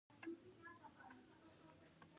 ته چې نه یې نو د چا غـــــــږونه اورم